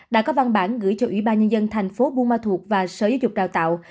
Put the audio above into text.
đã có văn bản gửi cho ủy ban nhân dân thành phố buôn ma thuột và sở giáo dục đào tạo